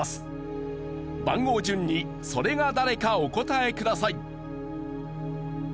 番号順にそれが誰かお答えください。